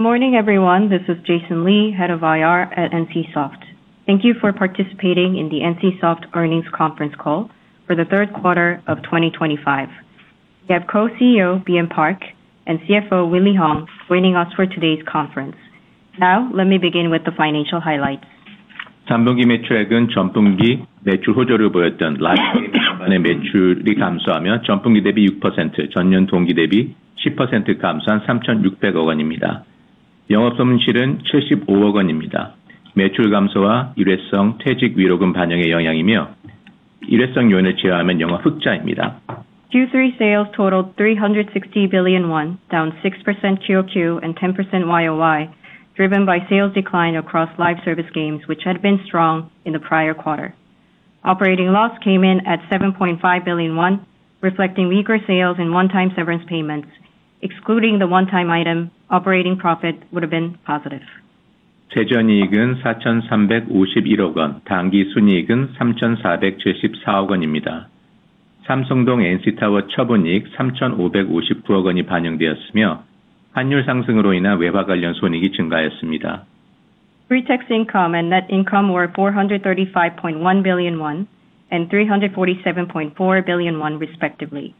Good morning, everyone. This is Jason Lee, Head of IR at NCSOFT. Thank you for participating in the NCSOFT earnings conference call for the third quarter of 2025. We have Co-CEO BM Park and CFO Willie Hong joining us for today's conference. Now, let me begin with the financial highlights. 전분기 매출액은 전분기 매출 호조를 보였던 라지코인 기간의 매출이 감소하며 전분기 대비 6%, 전년 동기 대비 10% 감소한 ₩3,600억 원입니다. 영업손실은 ₩75억 원입니다. 매출 감소와 일회성 퇴직 위로금 반영의 영향이며 일회성 요인을 제외하면 영업 흑자입니다. Q3 sales totaled ₩360 billion, down 6% QOQ and 10% YOY, driven by sales decline across live service games, which had been strong in the prior quarter. Operating loss came in at ₩7.5 billion, reflecting weaker sales and one-time severance payments. Excluding the one-time item, operating profit would have been positive. 세전 이익은 4,351억 원, 당기 순이익은 3,474억 원입니다. 삼성동 NC타워 처분 이익 3,559억 원이 반영되었으며 환율 상승으로 인한 외화 관련 손익이 증가하였습니다. Pretax income and net income were ₩435.1 billion and ₩347.4 billion, respectively.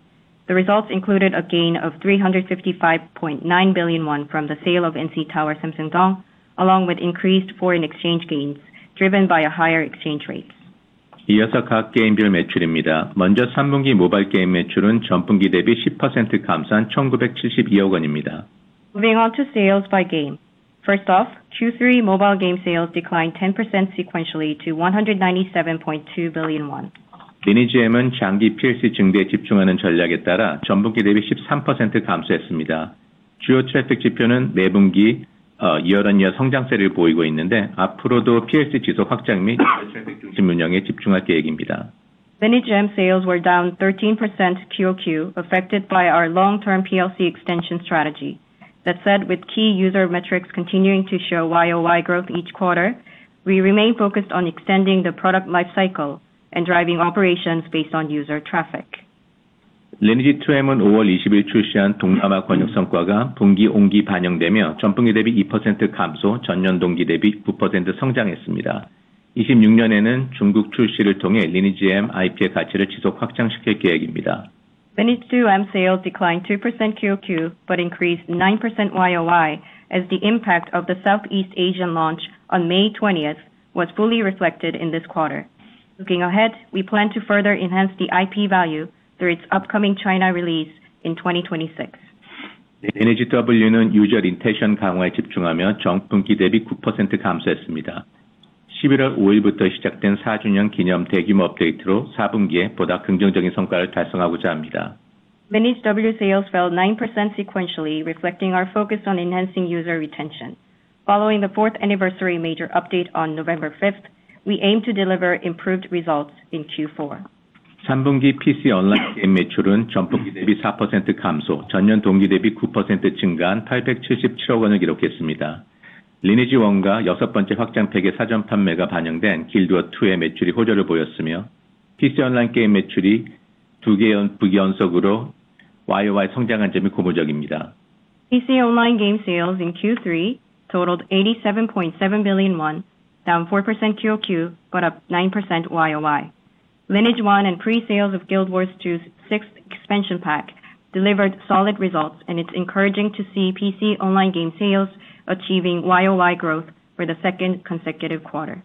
The results included a gain of ₩355.9 billion from the sale of NC Tower Samsung Dong, along with increased foreign exchange gains, driven by higher exchange rates. 이어서 각 게임별 매출입니다. 먼저 3분기 모바일 게임 매출은 전분기 대비 10% 감소한 ₩1,972억 원입니다. Moving on to sales by game. First off, Q3 mobile game sales declined 10% sequentially to ₩197.2 billion. 리니지M은 장기 PLC 증대에 집중하는 전략에 따라 전분기 대비 13% 감소했습니다. 주요 트래픽 지표는 매분기 연이어 성장세를 보이고 있는데 앞으로도 PLC 지속 확장 및 업무 운영에 집중할 계획입니다. LGM sales were down 13% QOQ, affected by our long-term PLC extension strategy. That said, with key user metrics continuing to show YOY growth each quarter, we remain focused on extending the product life cycle and driving operations based on user traffic. 리니지2M은 5월 20일 출시한 동남아 권역 성과가 분기 온기 반영되며 전분기 대비 2% 감소, 전년 동기 대비 9% 성장했습니다. 2026년에는 중국 출시를 통해 리니지M IP의 가치를 지속 확장시킬 계획입니다. LGM sales declined 2% QOQ but increased 9% YOY as the impact of the Southeast Asian launch on May 20 was fully reflected in this quarter. Looking ahead, we plan to further enhance the IP value through its upcoming China release in 2026. LGW는 유저 리텐션 강화에 집중하며 전분기 대비 9% 감소했습니다. 11월 5일부터 시작된 4주년 기념 대규모 업데이트로 4분기에 보다 긍정적인 성과를 달성하고자 합니다. LGW sales fell 9% sequentially, reflecting our focus on enhancing user retention. Following the fourth anniversary major update on November 5, we aim to deliver improved results in Q4. 3분기 PC 온라인 게임 매출은 전분기 대비 4% 감소, 전년 동기 대비 9% 증가한 ₩877억 원을 기록했습니다. 리니지1과 여섯 번째 확장팩의 사전 판매가 반영된 길드워2의 매출이 호조를 보였으며, PC 온라인 게임 매출이 두 분기 연속으로 YOY 성장한 점이 고무적입니다. PC online game sales in Q3 totaled ₩87.7 billion, down 4% QOQ, but up 9% YOY. LGM and pre-sales of Guild Wars 2's sixth expansion pack delivered solid results, and it's encouraging to see PC online game sales achieving YOY growth for the second consecutive quarter.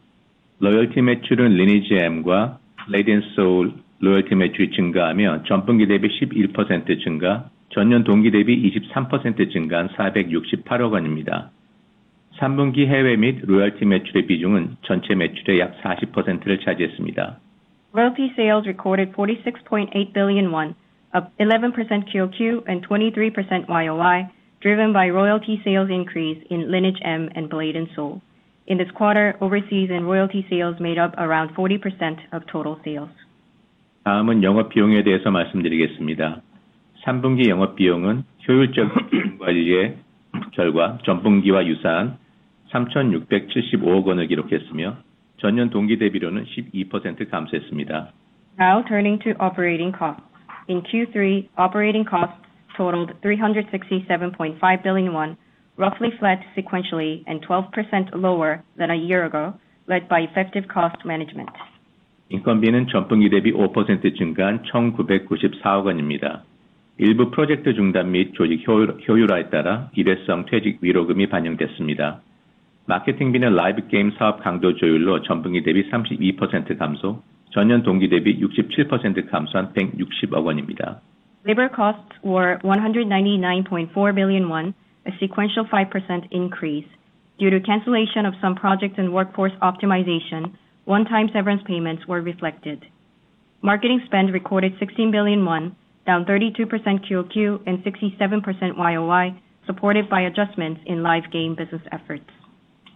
로열티 매출은 리니지M과 레이덴소울 로열티 매출이 증가하며 전분기 대비 11% 증가, 전년 동기 대비 23% 증가한 ₩468억 원입니다. 3분기 해외 및 로열티 매출의 비중은 전체 매출의 약 40%를 차지했습니다. Royalty sales recorded ₩46.8 billion, up 11% QOQ and 23% YOY, driven by royalty sales increase in LGM and Bladen Soul. In this quarter, overseas and royalty sales made up around 40% of total sales. 다음은 영업 비용에 대해서 말씀드리겠습니다. 3분기 영업 비용은 효율적인 비용 관리의 결과 전분기와 유사한 ₩3,675억을 기록했으며 전년 동기 대비로는 12% 감소했습니다. Now turning to operating costs. In Q3, operating costs totaled ₩367.5 billion, roughly flat sequentially and 12% lower than a year ago, led by effective cost management. 인건비는 전분기 대비 5% 증가한 1,994억 원입니다. 일부 프로젝트 중단 및 조직 효율화에 따라 일회성 퇴직 위로금이 반영됐습니다. 마케팅비는 라이브 게임 사업 강도 조율로 전분기 대비 32% 감소, 전년 동기 대비 67% 감소한 160억 원입니다. Labor costs were ₩199.4 billion, a sequential 5% increase. Due to cancellation of some projects and workforce optimization, one-time severance payments were reflected. Marketing spend recorded ₩16 billion, down 32% QOQ and 67% YOY, supported by adjustments in live game business efforts.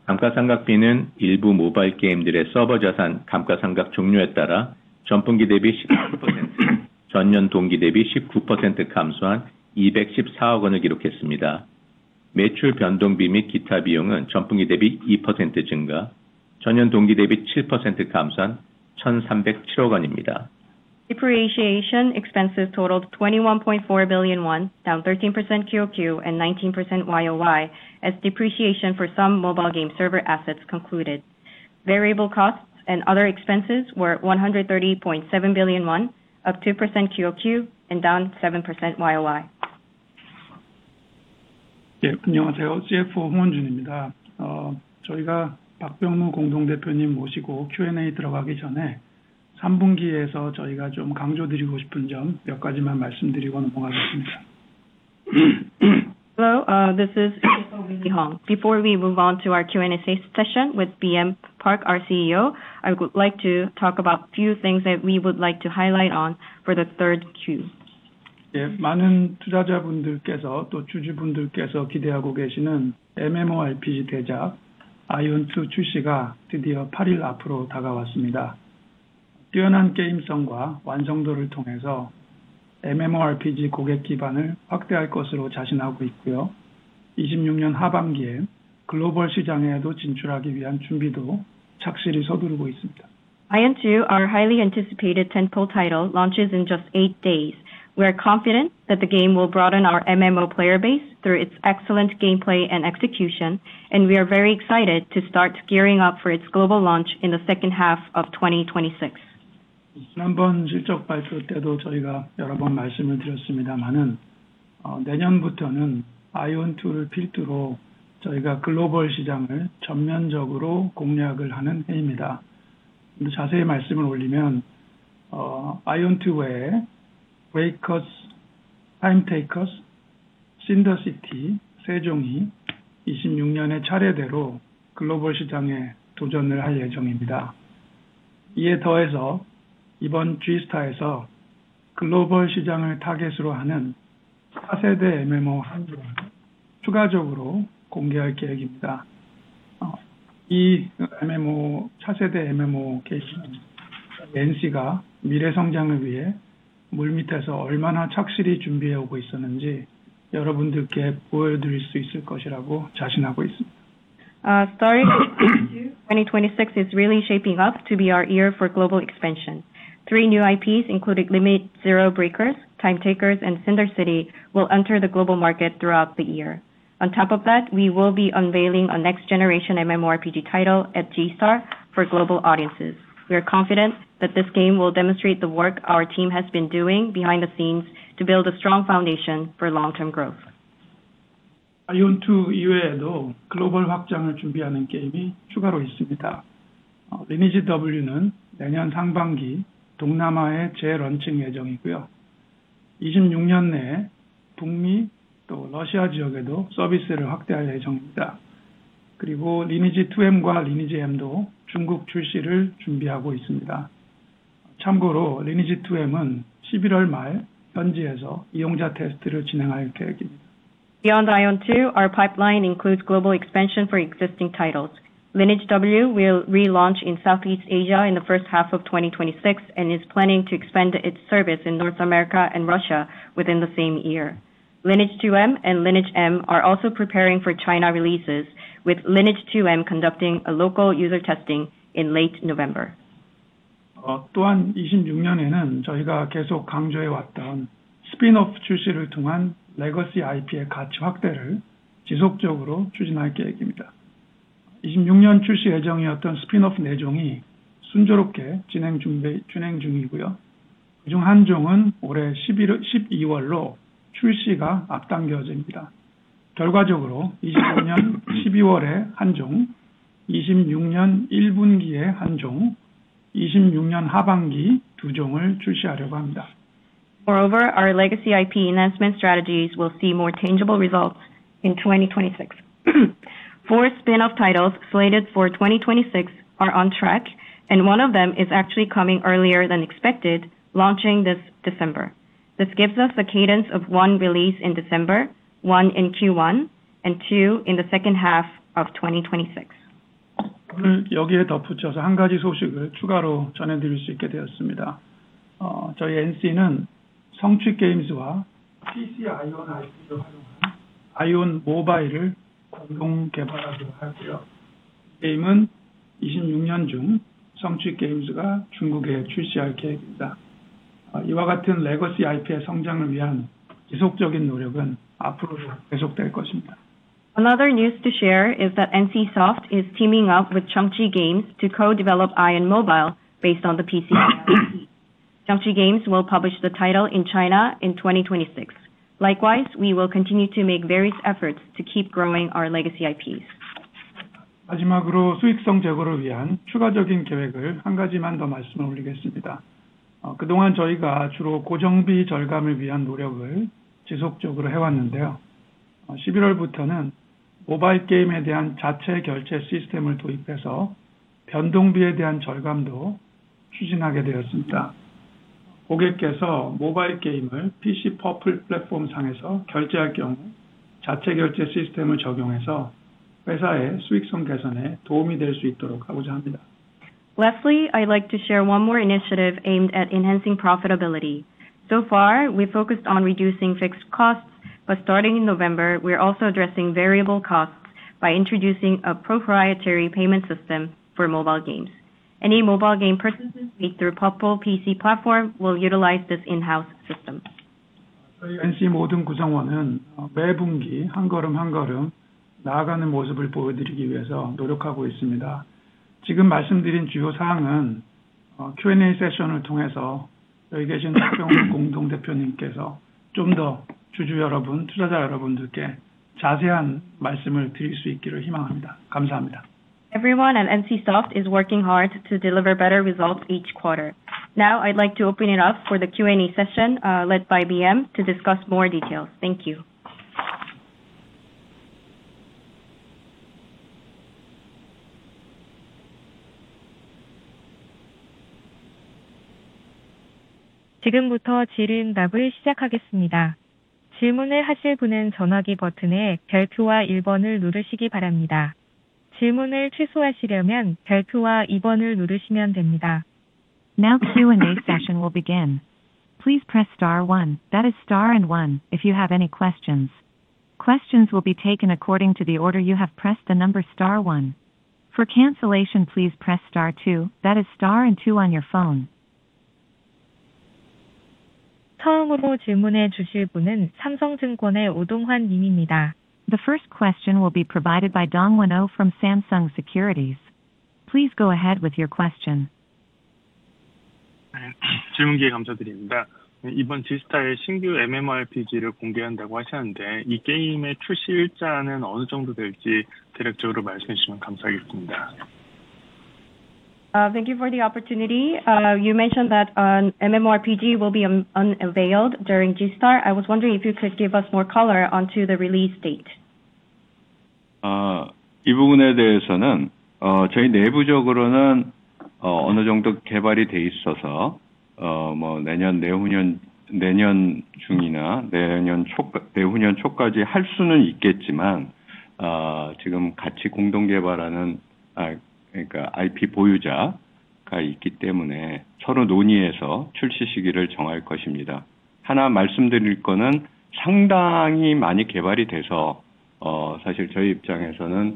감가상각비는 일부 모바일 게임들의 서버 자산 감가상각 종료에 따라 전분기 대비 19%, 전년 동기 대비 19% 감소한 214억 원을 기록했습니다. 매출 변동비 및 기타 비용은 전분기 대비 2% 증가, 전년 동기 대비 7% 감소한 1,307억 원입니다. Depreciation expenses totaled ₩21.4 billion, down 13% QOQ and 19% YOY, as depreciation for some mobile game server assets concluded. Variable costs and other expenses were ₩130.7 billion, up 2% QOQ and down 7% YOY. 네, 안녕하세요. CFO 홍원준입니다. 저희가 박병무 공동대표님 모시고 Q&A 들어가기 전에 3분기에서 저희가 좀 강조드리고 싶은 점몇 가지만 말씀드리고 넘어가겠습니다. Hello, this is CFO Willie Hong. Before we move on to our Q&A session with BM Park, our CEO, I would like to talk about a few things that we would like to highlight for the third quarter. 예, 많은 투자자분들께서 또 주주분들께서 기대하고 계시는 MMORPG 대작 아이온 2 출시가 드디어 8일 앞으로 다가왔습니다. 뛰어난 게임성과 완성도를 통해서 MMORPG 고객 기반을 확대할 것으로 자신하고 있고요, 2026년 하반기에 글로벌 시장에도 진출하기 위한 준비도 착실히 서두르고 있습니다. Ion 2, our highly anticipated tentpole title, launches in just eight days. We are confident that the game will broaden our MMO player base through its excellent gameplay and execution, and we are very excited to start gearing up for its global launch in the second half of 2026. 지난번 실적 발표 때도 저희가 여러 번 말씀을 드렸습니다만, 내년부터는 아이온 2를 필두로 저희가 글로벌 시장을 전면적으로 공략하는 해입니다. 자세히 말씀드리면, 아이온 2 외에 브레이커스, 타임테이커스, 신더시티, 세종이 2026년에 차례대로 글로벌 시장에 도전할 예정입니다. 이에 더해서 이번 G-STAR에서 글로벌 시장을 타겟으로 하는 차세대 MMO 한두 개를 추가적으로 공개할 계획입니다. 이 차세대 MMO 게임은 NC가 미래 성장을 위해 물밑에서 얼마나 착실히 준비해 오고 있었는지 여러분들께 보여드릴 수 있을 것이라고 자신하고 있습니다. Starting Q2, 2026 is really shaping up to be our year for global expansion. Three new IPs including Limit Zero Breakers, Time Takers, and Cinder City will enter the global market throughout the year. On top of that, we will be unveiling a next-generation MMORPG title at G-STAR for global audiences. We are confident that this game will demonstrate the work our team has been doing behind the scenes to build a strong foundation for long-term growth. 아이온 2 이외에도 글로벌 확장을 준비하는 게임이 추가로 있습니다. 리니지W는 내년 상반기 동남아에 재런칭 예정이고요, 2026년 내 북미 또 러시아 지역에도 서비스를 확대할 예정입니다. 그리고 리니지2M과 리니지M도 중국 출시를 준비하고 있습니다. 참고로 리니지2M은 11월 말 현지에서 이용자 테스트를 진행할 계획입니다. Beyond Ion 2, our pipeline includes global expansion for existing titles. LNGW will relaunch in Southeast Asia in the first half of 2026 and is planning to expand its service in North America and Russia within the same year. LNG2M and LNGM are also preparing for China releases, with LNG2M conducting a local user testing in late November. 또한 2026년에는 저희가 계속 강조해 왔던 스핀오프 출시를 통한 레거시 IP의 가치 확대를 지속적으로 추진할 계획입니다. 2026년 출시 예정이었던 스핀오프 네 종이 순조롭게 진행 중이고요, 그중 한 종은 올해 12월로 출시가 앞당겨집니다. 결과적으로 2025년 12월에 한 종, 2026년 1분기에 한 종, 2026년 하반기 두 종을 출시하려고 합니다. Moreover, our legacy IP announcement strategies will see more tangible results in 2026. Four spin-off titles slated for 2026 are on track, and one of them is actually coming earlier than expected, launching this December. This gives us a cadence of one release in December, one in Q1, and two in the second half of 2026. 오늘 여기에 덧붙여서 한 가지 소식을 추가로 전해드릴 수 있게 되었습니다. 저희 NC는 성취 게임즈와 PC 아이온 IP를 활용한 아이온 모바일을 공동 개발하기로 하였고요, 이 게임은 2026년 중 성취 게임즈가 중국에 출시할 계획입니다. 이와 같은 레거시 IP의 성장을 위한 지속적인 노력은 앞으로도 계속될 것입니다. Another news to share is that NCSOFT is teaming up with Chungchi Games to co-develop Ion Mobile based on the PC IP. Chungchi Games will publish the title in China in 2026. Likewise, we will continue to make various efforts to keep growing our legacy IPs. 마지막으로 수익성 제고를 위한 추가적인 계획을 한 가지만 더 말씀드리겠습니다. 그동안 저희가 주로 고정비 절감을 위한 노력을 지속적으로 해왔는데요, 11월부터는 모바일 게임에 대한 자체 결제 시스템을 도입해서 변동비에 대한 절감도 추진하게 되었습니다. 고객께서 모바일 게임을 PC 퍼플 플랫폼 상에서 결제할 경우 자체 결제 시스템을 적용해서 회사의 수익성 개선에 도움이 될수 있도록 하고자 합니다. Lastly, I'd like to share one more initiative aimed at enhancing profitability. So far, we focused on reducing fixed costs, but starting in November, we're also addressing variable costs by introducing a proprietary payment system for mobile games. Any mobile game purchases made through POPPOL PC platform will utilize this in-house system. 저희 NC 모든 구성원은 매 분기 한 걸음 한 걸음 나아가는 모습을 보여드리기 위해서 노력하고 있습니다. 지금 말씀드린 주요 사항은 Q&A 세션을 통해서 여기 계신 박병무 공동대표님께서 좀더 주주 여러분, 투자자 여러분들께 자세한 말씀을 드릴 수 있기를 희망합니다. 감사합니다. Everyone at NCSOFT is working hard to deliver better results each quarter. Now, I'd like to open it up for the Q&A session led by BM to discuss more details. Thank you. 지금부터 질의응답을 시작하겠습니다. 질문을 하실 분은 전화기 버튼에 별표와 1번을 누르시기 바랍니다. 질문을 취소하시려면 별표와 2번을 누르시면 됩니다. Now Q&A session will begin. Please press star one, that is star and one, if you have any questions. Questions will be taken according to the order you have pressed the number star one. For cancellation, please press star two, that is star and two on your phone. 처음으로 질문해 주실 분은 삼성증권의 오동환 님입니다. The first question will be provided by Dong Wen-oh from Samsung Securities. Please go ahead with your question. 질문 기회 감사드립니다. 이번 G-STAR의 신규 MMORPG를 공개한다고 하셨는데, 이 게임의 출시 일자는 어느 정도 될지 대략적으로 말씀해 주시면 감사하겠습니다. Thank you for the opportunity. You mentioned that an MMORPG will be unveiled during G-STAR. I was wondering if you could give us more color on the release date. 이 부분에 대해서는 저희 내부적으로는 어느 정도 개발이 되어 있어서 내년 중이나 내년 초 내후년 초까지 할 수는 있겠지만, 지금 같이 공동 개발하는 IP 보유자가 있기 때문에 서로 논의해서 출시 시기를 정할 것입니다. 하나 말씀드릴 것은 상당히 많이 개발이 되어서 사실 저희 입장에서는 여러 가지 리파인 과정을 거치면 곧 출시할 수 있을 것이다 이렇게 말씀드릴 수 있습니다. Internally,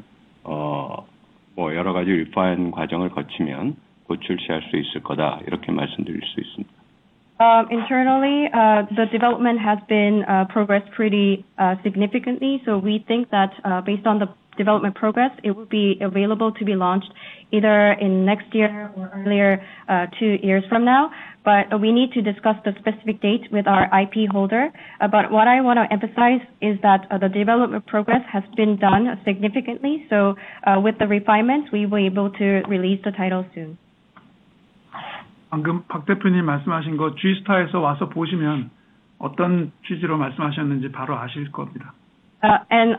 the development has progressed pretty significantly, so we think that based on the development progress, it will be available to be launched either next year or in the next two years, but we need to discuss the specific date with our IP holder. What I want to emphasize is that the development progress has been done significantly, so with the refinements, we will be able to release the title soon. 방금 박 대표님 말씀하신 거 G-STAR에서 와서 보시면 어떤 취지로 말씀하셨는지 바로 아실 겁니다. And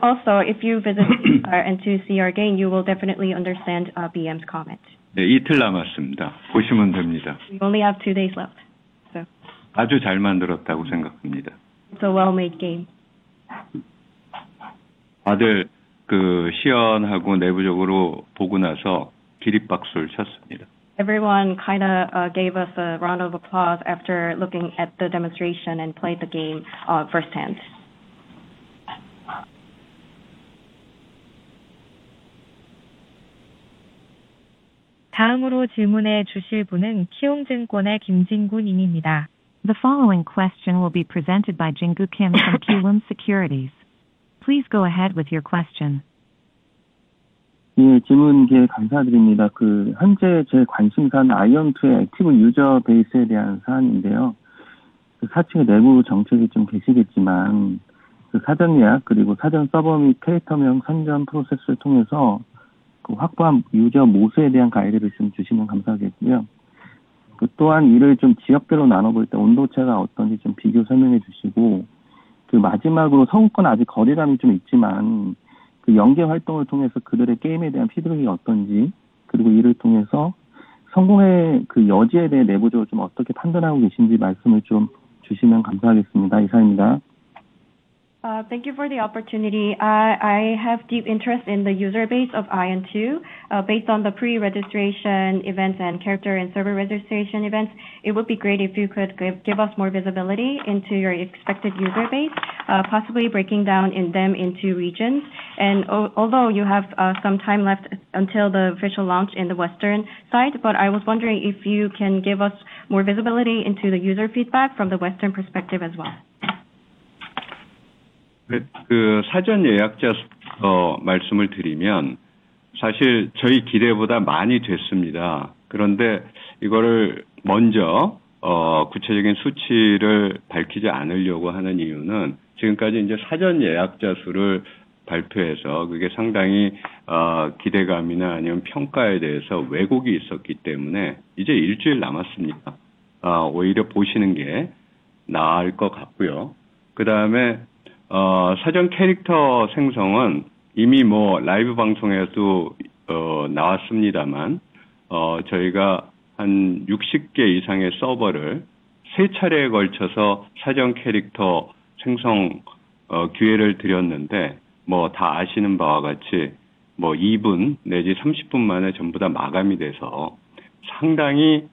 also, if you visit G-STAR and see our game, you will definitely understand BM's comment. 네, 이틀 남았습니다. 보시면 됩니다. We only have two days left, so. 아주 잘 만들었다고 생각합니다. It's a well-made game. 다들 그 시연하고 내부적으로 보고 나서 기립박수를 쳤습니다. Everyone kind of gave us a round of applause after looking at the demonstration and played the game firsthand. 다음으로 질문해 주실 분은 키움증권의 김진구 님입니다. The following question will be presented by Jinggu Kim from Kiwoom Securities. Please go ahead with your question. 예, 질문 기회 감사드립니다. 현재 제 관심사는 아이온 2의 액티브 유저 베이스에 대한 사안인데요, 사측의 내부 정책이 있으시겠지만 사전 예약 그리고 사전 서버 및 캐릭터명 선정 프로세스를 통해서 확보한 유저 모수에 대한 가이드를 주시면 감사하겠고요, 또한 이를 지역별로 나눠볼 때 온도차가 어떤지 비교 설명해 주시고, 마지막으로 성우권 아직 거래량이 있지만 연계 활동을 통해서 그들의 게임에 대한 피드백이 어떤지 그리고 이를 통해서 성공의 여지에 대해 내부적으로 어떻게 판단하고 계신지 말씀을 주시면 감사하겠습니다. 이상입니다. Thank you for the opportunity. I have deep interest in the user base of Ion 2. Based on the pre-registration events and character and server registration events, it would be great if you could give us more visibility into your expected user base, possibly breaking them down into regions. Although you have some time left until the official launch in the western side, I was wondering if you can give us more visibility into the user feedback from the western perspective as well. 네, 그 사전 예약자 수부터 말씀을 드리면 사실 저희 기대보다 많이 됐습니다. 그런데 이거를 먼저 구체적인 수치를 밝히지 않으려고 하는 이유는 지금까지 이제 사전 예약자 수를 발표해서 그게 상당히 기대감이나 아니면 평가에 대해서 왜곡이 있었기 때문에 이제 일주일 남았습니다. 오히려 보시는 게 나을 것 같고요, 그다음에 사전 캐릭터 생성은 이미 뭐 라이브 방송에도 나왔습니다만 저희가 한 60개 이상의 서버를 세 차례에 걸쳐서 사전 캐릭터 생성 기회를 드렸는데 뭐다 아시는 바와 같이 뭐 2분 내지 30분 만에 전부 다 마감이 돼서 상당히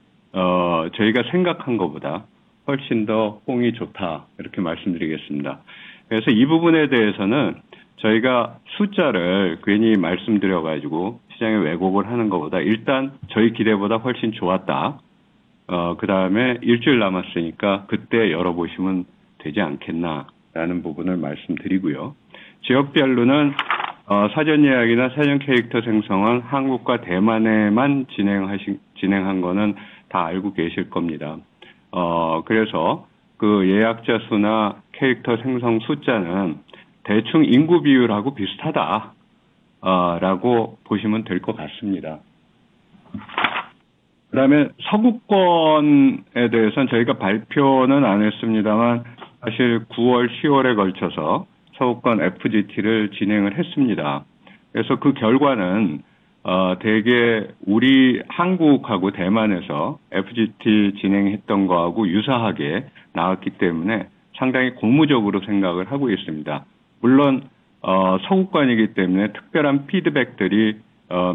저희가 생각한 것보다 훨씬 더 호응이 좋다 이렇게 말씀드리겠습니다. 그래서 이 부분에 대해서는 저희가 숫자를 괜히 말씀드려 가지고 시장에 왜곡을 하는 것보다 일단 저희 기대보다 훨씬 좋았다, 그다음에 일주일 남았으니까 그때 열어보시면 되지 않겠나라는 부분을 말씀드리고요, 지역별로는 사전 예약이나 사전 캐릭터 생성은 한국과 대만에만 진행한 거는 다 알고 계실 겁니다. 그래서 그 예약자 수나 캐릭터 생성 숫자는 대충 인구 비율하고 비슷하다라고 보시면 될것 같습니다. 그다음에 서구권에 대해선 저희가 발표는 안 했습니다만 사실 9월, 10월에 걸쳐서 서구권 FGT를 진행을 했습니다. 그래서 그 결과는 대개 우리 한국하고 대만에서 FGT 진행했던 거하고 유사하게 나왔기 때문에 상당히 고무적으로 생각을 하고 있습니다. 물론 서구권이기 때문에 특별한 피드백들이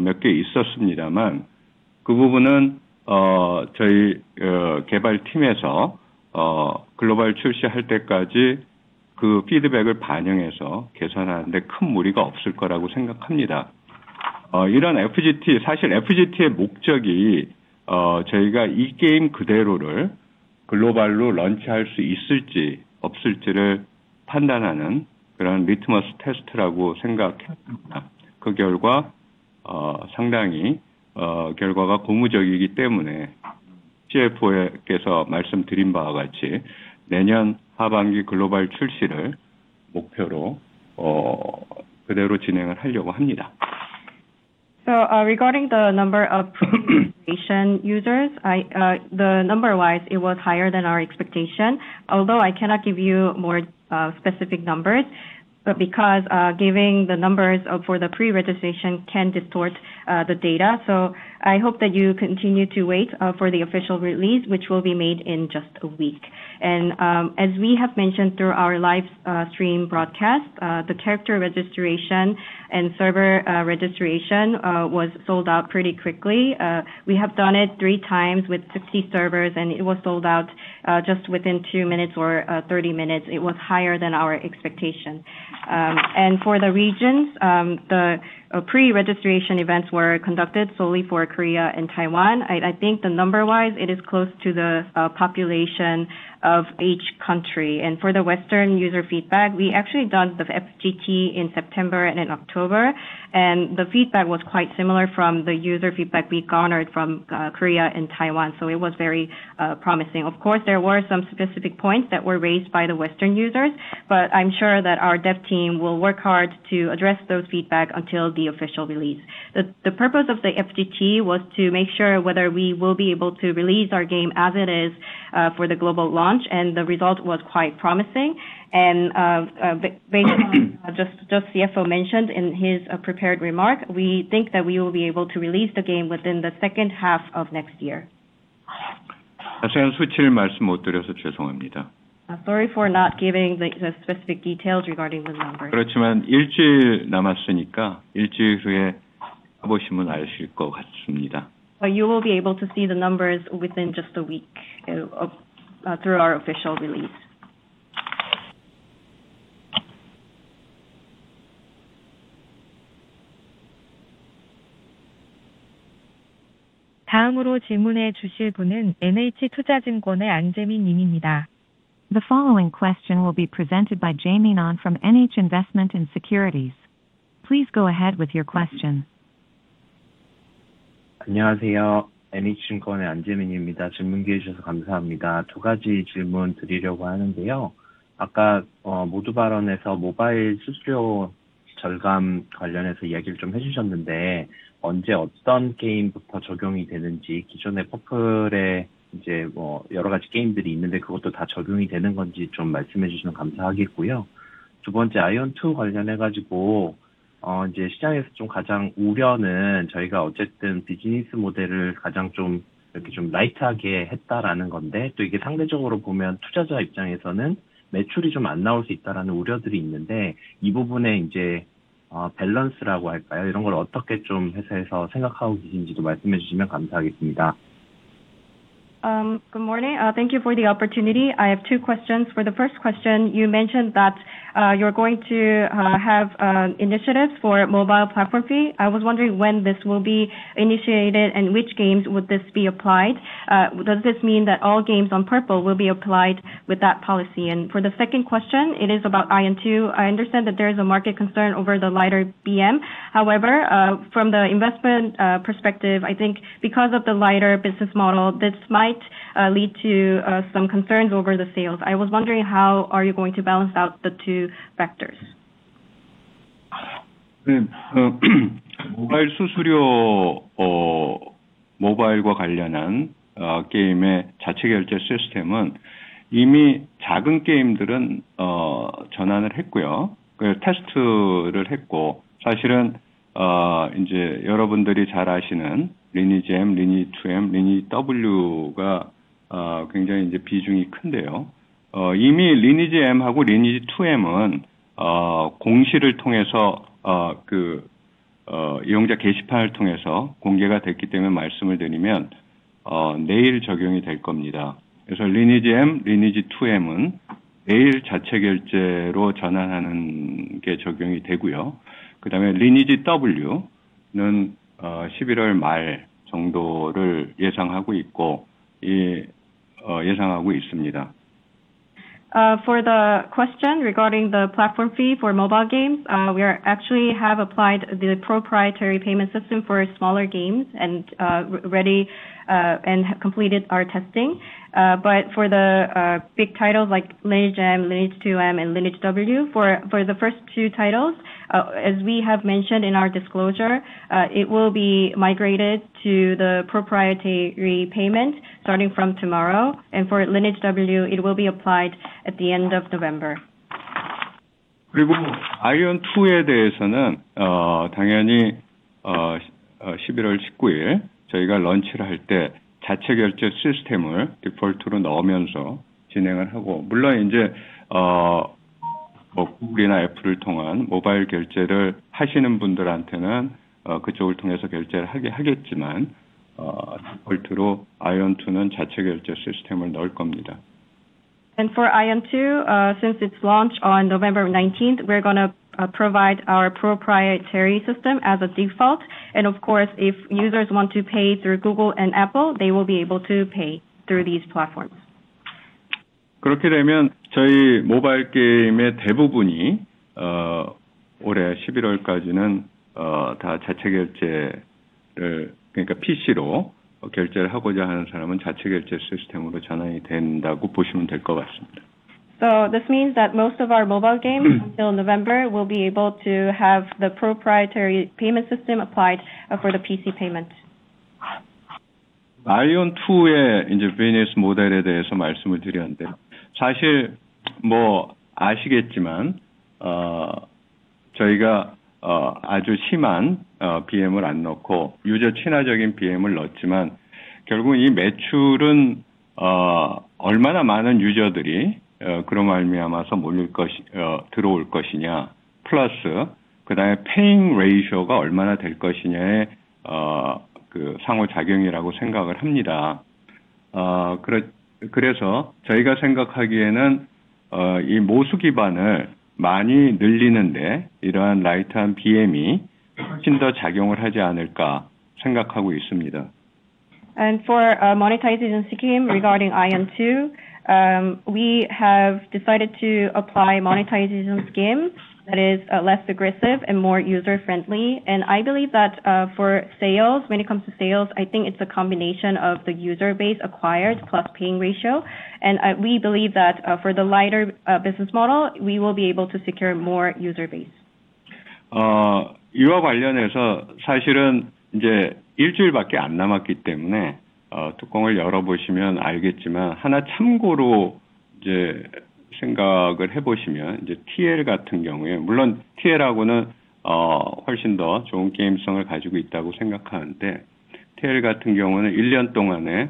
몇개 있었습니다만 그 부분은 저희 개발팀에서 글로벌 출시할 때까지 그 피드백을 반영해서 개선하는 데큰 무리가 없을 거라고 생각합니다. 이런 FGT 사실 FGT의 목적이 저희가 이 게임 그대로를 글로벌로 런치할 수 있을지 없을지를 판단하는 그런 리트머스 테스트라고 생각했습니다. 그 결과 상당히 결과가 고무적이기 때문에 CFO께서 말씀드린 바와 같이 내년 하반기 글로벌 출시를 목표로 그대로 진행을 하려고 합니다. Regarding the number of users, the number wise it was higher than our expectation, although I cannot give you more specific numbers, but because giving the numbers for the pre-registration can distort the data, so I hope that you continue to wait for the official release, which will be made in just a week. As we have mentioned through our live stream broadcast, the character registration and server registration was sold out pretty quickly. We have done it three times with 60 servers and it was sold out just within two minutes or 30 minutes. It was higher than our expectation. For the regions, the pre-registration events were conducted solely for Korea and Taiwan. I think the number wise it is close to the population of each country. For the western user feedback, we actually done the FGT in September and in October, and the feedback was quite similar from the user feedback we garnered from Korea and Taiwan, so it was very promising. Of course, there were some specific points that were raised by the western users, but I'm sure that our dev team will work hard to address those feedback until the official release. The purpose of the FGT was to make sure whether we will be able to release our game as it is for the global launch, and the result was quite promising. Based on just CFO mentioned in his prepared remark, we think that we will be able to release the game within the second half of next year. 사실은 수치를 말씀드리지 못해서 죄송합니다. Sorry for not giving the specific details regarding the number. 그렇지만 일주일 남았으니까 일주일 후에 해보시면 아실 것 같습니다. You will be able to see the numbers within just a week through our official release. 다음으로 질문해 주실 분은 NH투자증권의 안재민 님입니다. The following question will be presented by Jaemin An from NH Investment & Securities. Please go ahead with your question. 안녕하세요. NH증권의 안재민입니다. 질문 기회 주셔서 감사합니다. 두 가지 질문 드리려고 하는데요. 아까 모두 발언에서 모바일 수수료 절감 관련해서 이야기를 좀 해주셨는데, 언제 어떤 게임부터 적용이 되는지 기존의 퍼플에 이제 여러 가지 게임들이 있는데 그것도 다 적용이 되는 건지 좀 말씀해 주시면 감사하겠고요. 두 번째, 아이온 2 관련해 가지고 이제 시장에서 좀 가장 우려는 저희가 어쨌든 비즈니스 모델을 가장 좀 이렇게 좀 라이트하게 했다라는 건데, 또 이게 상대적으로 보면 투자자 입장에서는 매출이 좀안 나올 수 있다라는 우려들이 있는데 이 부분에 이제 밸런스라고 할까요, 이런 걸 어떻게 좀 해서 생각하고 계신지도 말씀해 주시면 감사하겠습니다. Good morning. Thank you for the opportunity. I have two questions. For the first question, you mentioned that you're going to have initiatives for mobile platform fee. I was wondering when this will be initiated and which games would this be applied. Does this mean that all games on Purple will be applied with that policy? And for the second question, it is about Ion 2. I understand that there is a market concern over the lighter BM. However, from the investment perspective, I think because of the lighter business model, this might lead to some concerns over the sales. I was wondering how are you going to balance out the two factors? 네, 모바일 수수료 모바일과 관련한 게임의 자체 결제 시스템은 이미 작은 게임들은 전환을 했고요, 그 테스트를 했고 사실은 이제 여러분들이 잘 아시는 리니지 M, 리니지 2M, 리니지 W가 굉장히 이제 비중이 큰데요. 이미 리니지 M하고 리니지 2M은 공시를 통해서 그 이용자 게시판을 통해서 공개가 됐기 때문에 말씀을 드리면 내일 적용이 될 겁니다. 그래서 리니지 M, 리니지 2M은 내일 자체 결제로 전환하는 게 적용이 되고요, 그다음에 리니지 W는 11월 말 정도를 예상하고 있고 이 예상하고 있습니다. For the question regarding the platform fee for mobile games, we actually have applied the proprietary payment system for smaller games and have completed our testing. But for the big titles like Lineage M, Lineage 2M, and Lineage W, for the first two titles, as we have mentioned in our disclosure, it will be migrated to the proprietary payment starting from tomorrow, and for Lineage W, it will be applied at the end of November. 그리고 아이온 2에 대해서는 당연히 11월 19일 저희가 런치를 할때 자체 결제 시스템을 디폴트로 넣으면서 진행을 하고, 물론 이제 구글이나 애플을 통한 모바일 결제를 하시는 분들한테는 그쪽을 통해서 결제를 하게 하겠지만 디폴트로 아이온 2는 자체 결제 시스템을 넣을 겁니다. For Ion 2, since it's launched on November 19th, we're going to provide our proprietary system as a default, and of course, if users want to pay through Google and Apple, they will be able to pay through these platforms. 그렇게 되면 저희 모바일 게임의 대부분이 올해 11월까지는 다 자체 결제를, 그러니까 PC로 결제를 하고자 하는 사람은 자체 결제 시스템으로 전환이 된다고 보시면 될것 같습니다. This means that most of our mobile games until November will be able to have the proprietary payment system applied for the PC payment. 아이온 2의 이제 비즈니스 모델에 대해서 말씀을 드렸는데요, 사실 아시겠지만 저희가 아주 심한 BM을 안 넣고 유저 친화적인 BM을 넣지만 결국 이 매출은 얼마나 많은 유저들이 그로 말미암아서 몰려 들어올 것이냐 플러스 그다음에 페잉 레이쇼가 얼마나 될 것이냐의 그 상호 작용이라고 생각을 합니다. 그래서 저희가 생각하기에는 이 모수 기반을 많이 늘리는 데 이러한 라이트한 BM이 훨씬 더 작용을 하지 않을까 생각하고 있습니다. For monetization scheme regarding Ion 2, we have decided to apply monetization scheme that is less aggressive and more user friendly, and I believe that for sales when it comes to sales, I think it's a combination of the user base acquired plus paying ratio, and we believe that for the lighter business model, we will be able to secure more user base. 이와 관련해서 사실은 이제 일주일밖에 안 남았기 때문에 뚜껑을 열어보시면 알겠지만 하나 참고로 이제 생각을 해보시면 이제 TL 같은 경우에 물론 TL하고는 훨씬 더 좋은 게임성을 가지고 있다고 생각하는데 TL 같은 경우는 1년 동안에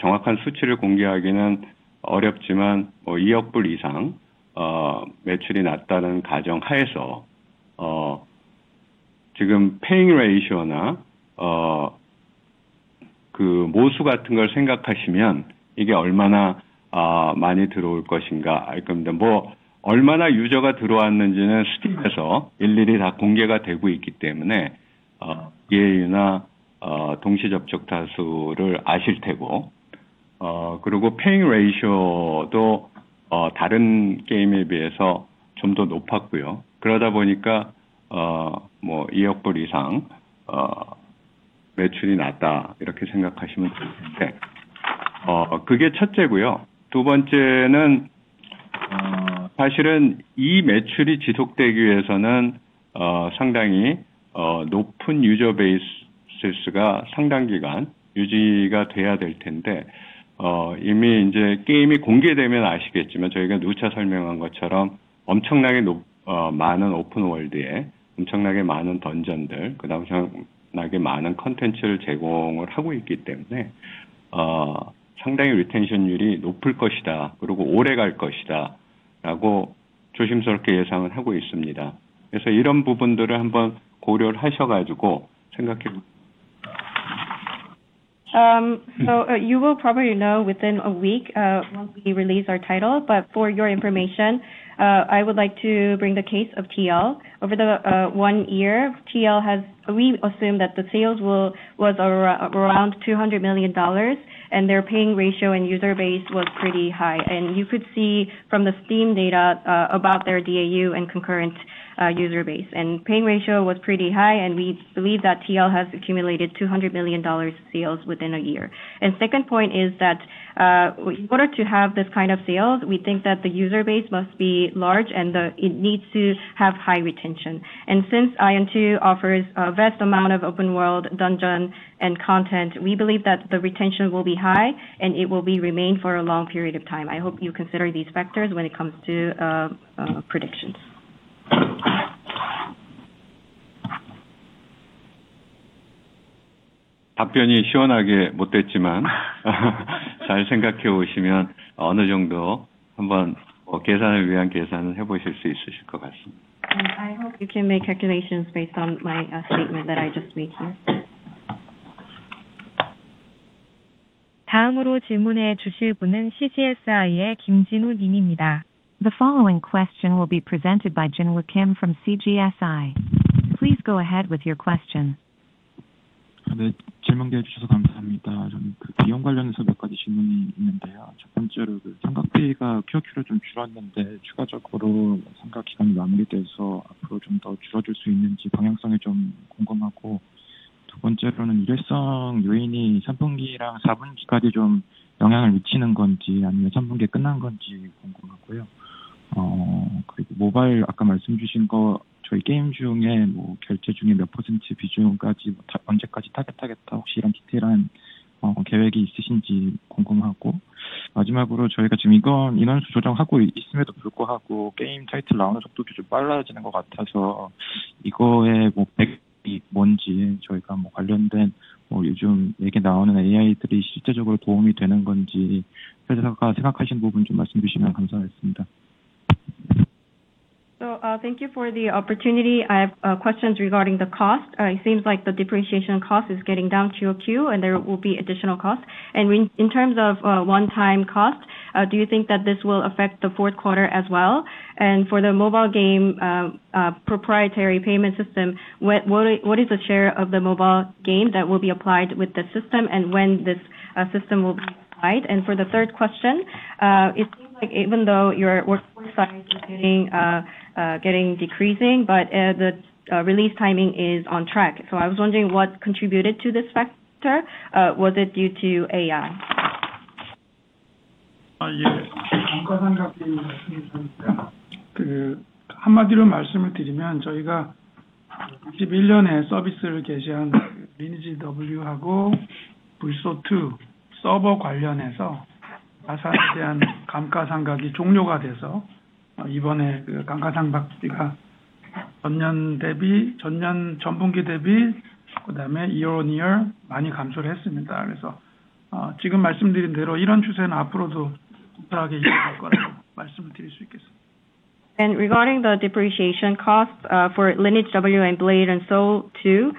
정확한 수치를 공개하기는 어렵지만 뭐 $200 million 이상 매출이 났다는 가정 하에서 지금 페잉 레이쇼나 그 모수 같은 걸 생각하시면 이게 얼마나 많이 들어올 것인가 알 겁니다. 뭐 얼마나 유저가 들어왔는지는 스팀에서 일일이 다 공개가 되고 있기 때문에 예유나 동시 접촉 다수를 아실 테고 그리고 페잉 레이쇼도 다른 게임에 비해서 좀더 높았고요, 그러다 보니까 뭐 $200 million 이상 매출이 났다 이렇게 생각하시면 될 텐데 그게 첫째고요, 두 번째는 사실은 이 매출이 지속되기 위해서는 상당히 높은 유저 베이스 수가 상당 기간 유지가 돼야 될 텐데 이미 이제 게임이 공개되면 아시겠지만 저희가 누차 설명한 것처럼 엄청나게 높은 많은 오픈 월드에 엄청나게 많은 던전들 그다음에 엄청나게 많은 컨텐츠를 제공을 하고 있기 때문에 상당히 리텐션율이 높을 것이다 그리고 오래 갈 것이다라고 조심스럽게 예상을 하고 있습니다. 그래서 이런 부분들을 한번 고려를 하셔가지고 생각해보시면. You will probably know within a week once we release our title, but for your information I would like to bring the case of TL. Over the one year TL has, we assume that the sales were around $200 million and their paying ratio and user base was pretty high, and you could see from the Steam data about their DAU and concurrent user base and paying ratio was pretty high and we believe that TL has accumulated $200 million sales within a year. The second point is that in order to have this kind of sales we think that the user base must be large and it needs to have high retention, and since Ion 2 offers a vast amount of open world dungeon and content we believe that the retention will be high and it will remain for a long period of time. I hope you consider these factors when it comes to predictions. 답변이 시원하게 못 됐지만 잘 생각해 보시면 어느 정도 한번 뭐 계산을 위한 계산을 해보실 수 있으실 것 같습니다. I hope you can make calculations based on my statement that I just made here. 다음으로 질문해 주실 분은 CGSI의 김진우 님입니다. The following question will be presented by Jinwoo Kim from CGSI. Please go ahead with your question. 네, 질문 기회 주셔서 감사합니다. 저는 그 비용 관련해서 몇 가지 질문이 있는데요. 첫 번째로 그 삼각대가 QOQ로 좀 줄었는데 추가적으로 삼각 기간이 마무리돼서 앞으로 좀더 줄어들 수 있는지 방향성이 좀 궁금하고, 두 번째로는 일회성 요인이 3분기랑 4분기까지 좀 영향을 미치는 건지 아니면 3분기가 끝난 건지 궁금하고요. 그리고 모바일 아까 말씀 주신 거 저희 게임 중에 결제 중에 몇% 비중까지 언제까지 타겟하겠다 혹시 이런 디테일한 계획이 있으신지 궁금하고, 마지막으로 저희가 지금 이건 인원수 조정하고 있음에도 불구하고 게임 타이틀 나오는 속도도 좀 빨라지는 것 같아서 이거에 백그라운드가 뭔지 저희가 관련된 요즘 얘기 나오는 AI들이 실제적으로 도움이 되는 건지 회사가 생각하시는 부분 좀 말씀해 주시면 감사하겠습니다. Thank you for the opportunity. I have questions regarding the cost. It seems like the depreciation cost is getting down quarter over quarter and there will be additional cost, and in terms of one-time cost, do you think that this will affect the fourth quarter as well? And for the mobile game proprietary payment system, what is the share of the mobile game that will be applied with the system and when this system will be applied? And for the third question, it seems like even though your workforce size is decreasing but the release timing is on track. I was wondering what contributed to this factor. Was it due to AI? 아, 예, 감가상각이 발생했습니다. 그 한마디로 말씀을 드리면 저희가 21년에 서비스를 개시한 리니지W하고 블소2 서버 관련해서 자산에 대한 감가상각이 종료가 돼서, 이번에 그 감가상각비가 전년 대비, 전년 전분기 대비 그다음에 이어 많이 감소를 했습니다. 그래서 지금 말씀드린 대로 이런 추세는 앞으로도 계속해서 이어질 거라고 말씀을 드릴 수 있겠습니다. Regarding the depreciation cost for Lineage W and Blade and Soul 2,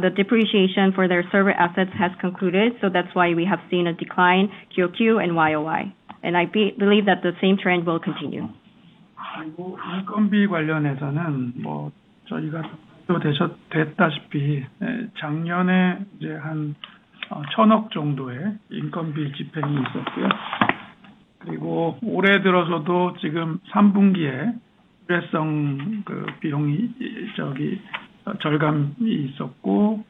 the depreciation for their server assets has concluded, so that's why we have seen a decline quarter-over-quarter and year-over-year, and I believe that the same trend will continue. 그리고 인건비 관련해서는 저희가 접수도 됐다시피, 작년에 한 천억 정도의 인건비 집행이 있었고요. 그리고 올해 들어서도 지금 3분기에 일회성 비용 절감이 있었고,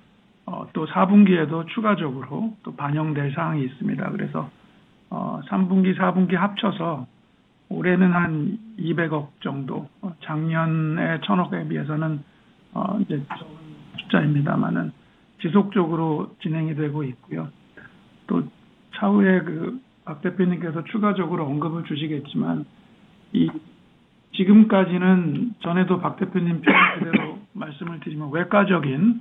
또 4분기에도 추가적으로 반영될 사항이 있습니다. 그래서 3분기 4분기 합쳐서 올해는 한 ₩200억 정도, 작년에 ₩1,000억에 비해서는 적은 숫자입니다마는 지속적으로 진행이 되고 있고요. 또 차후에 박 대표님께서 추가적으로 언급을 주시겠지만, 지금까지는 전에도 박 대표님 표현 그대로 말씀을 드리면 외과적인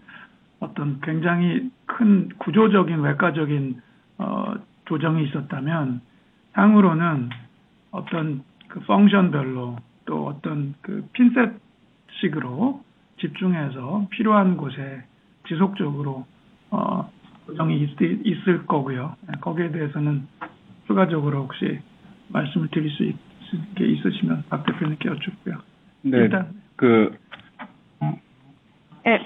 굉장히 큰 구조적인 조정이 있었다면, 향후로는 펑션별로 또 핀셋식으로 집중해서 필요한 곳에 지속적으로 조정이 있을 거고요. 거기에 대해서는 추가적으로 혹시 말씀을 드릴 수 있을 게 있으시면 박 대표님께 여쭙고요. 네, 그렇습니다.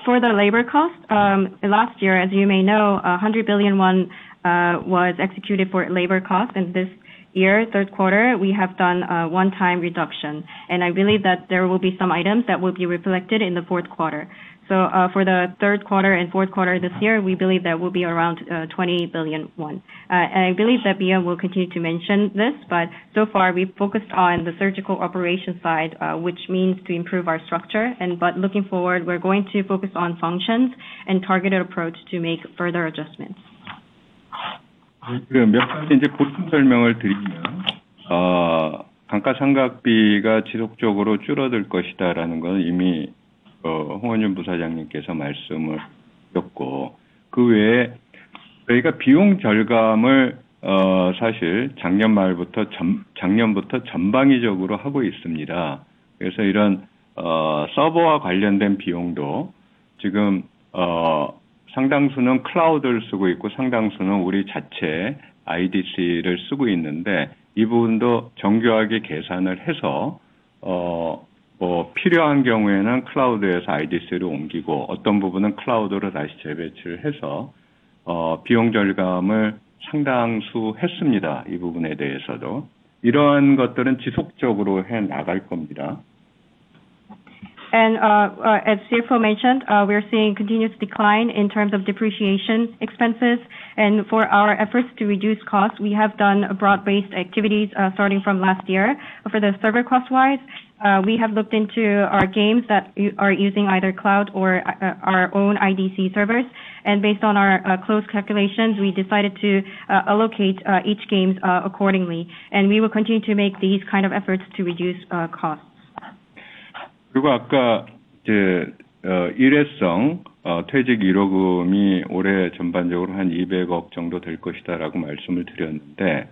For the labor cost, last year as you may know ₩100 billion was executed for labor cost, and this year third quarter we have done one-time reduction, and I believe that there will be some items that will be reflected in the fourth quarter. For the third quarter and fourth quarter this year we believe that will be around ₩20 billion, and I believe that BM will continue to mention this, but so far we focused on the surgical operation side which means to improve our structure, but looking forward we're going to focus on functions and targeted approach to make further adjustments. 그몇 가지 이제 곧 설명을 드리면, 감가상각비가 지속적으로 줄어들 것이라는 건 이미 홍원준 부사장님께서 말씀을 드렸고, 그 외에 저희가 비용 절감을 사실 작년 말부터 전 작년부터 전방위적으로 하고 있습니다. 그래서 이런 서버와 관련된 비용도 지금 상당수는 클라우드를 쓰고 있고 상당수는 우리 자체 IDC를 쓰고 있는데 이 부분도 정교하게 계산을 해서 필요한 경우에는 클라우드에서 IDC로 옮기고 어떤 부분은 클라우드로 다시 재배치를 해서 비용 절감을 상당수 했습니다. 이 부분에 대해서도 이러한 것들은 지속적으로 해 나갈 겁니다. As CFO mentioned, we're seeing continuous decline in terms of depreciation expenses, and for our efforts to reduce cost we have done broad-based activities starting from last year. For the server cost wise, we have looked into our games that are using either cloud or our own IDC servers, and based on our close calculations we decided to allocate each game accordingly, and we will continue to make these kind of efforts to reduce costs. 그거 아까 그 일회성 퇴직금 1억원이 올해 전반적으로 한 200억원 정도 될 것이다라고 말씀을 드렸는데,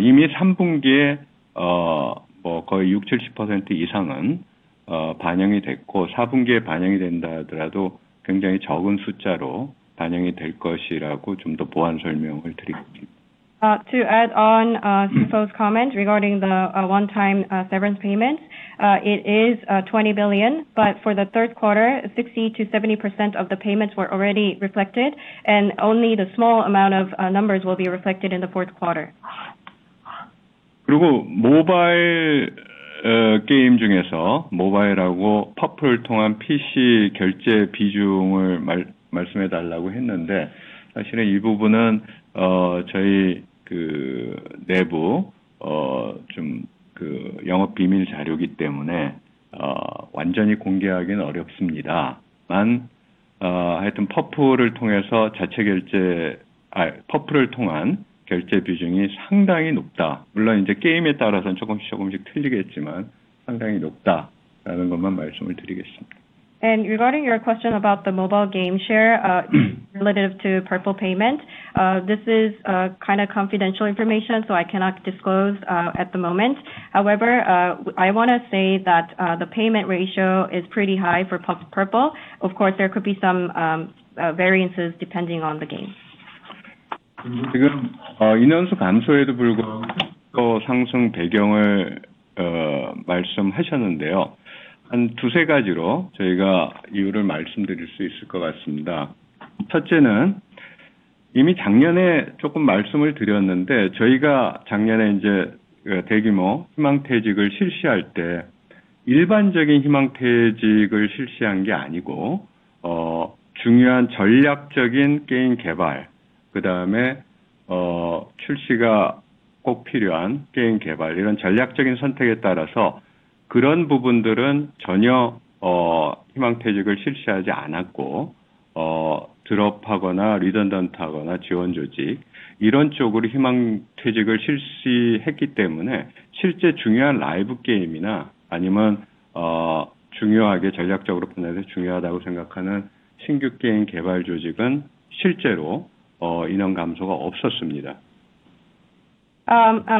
이미 3분기에 거의 60~70% 이상은 반영이 됐고 4분기에 반영이 된다 하더라도 굉장히 적은 숫자로 반영이 될 것이라고 좀더 보완 설명을 드리겠습니다. To add on to the CFO's comment regarding the one-time severance payments, it is $20 billion, but for the third quarter 60% to 70% of the payments were already reflected, and only a small amount will be reflected in the fourth quarter. 그리고 모바일 게임 중에서 모바일하고 퍼플을 통한 PC 결제 비중을 말씀해 달라고 했는데, 사실은 이 부분은 저희 내부 영업 비밀 자료이기 때문에 완전히 공개하기는 어렵습니다만, 하여튼 퍼플을 통해서 자체 결제, 퍼플을 통한 결제 비중이 상당히 높다. 물론 이제 게임에 따라선 조금씩 다르겠지만 상당히 높다라는 것만 말씀드리겠습니다. Regarding your question about the mobile game share relative to purple payment, this is kind of confidential information so I cannot disclose at the moment. However, I want to say that the payment ratio is pretty high for purple. Of course, there could be some variances depending on the game. 지금 인원수 감소에도 불구하고 퍼포먼스 상승 배경을 말씀하셨는데요. 한 두세 가지로 저희가 이유를 말씀드릴 수 있을 것 같습니다. 첫째는 이미 작년에 조금 말씀을 드렸는데 저희가 작년에 이제 그 대규모 희망퇴직을 실시할 때 일반적인 희망퇴직을 실시한 게 아니고, 중요한 전략적인 게임 개발 그다음에 출시가 꼭 필요한 게임 개발 이런 전략적인 선택에 따라서 그런 부분들은 전혀 희망퇴직을 실시하지 않았고, 드롭하거나 리던던트하거나 지원 조직 이런 쪽으로 희망퇴직을 실시했기 때문에 실제 중요한 라이브 게임이나 아니면 중요하게 전략적으로 판단해서 중요하다고 생각하는 신규 게임 개발 조직은 실제로 인원 감소가 없었습니다.